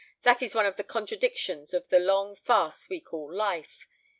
"That is one of the contradictions of the long farce we call life.